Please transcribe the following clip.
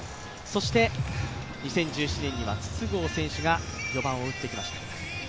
そして２０１７年には筒香選手が４番を打ってきました。